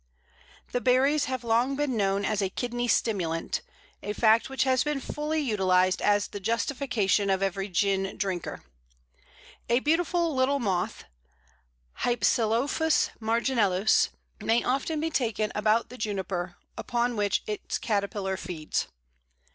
The "berries" have long been known as a kidney stimulant a fact which has been fully utilized as the justification of every gin drinker. A beautiful little moth Hypsilophus marginellus may often be taken about the Juniper, upon which its caterpillar feeds.